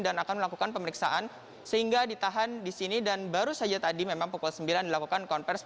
dan akan melakukan pemeriksaan sehingga ditahan di sini dan baru saja tadi memang pukul sembilan dilakukan konferensi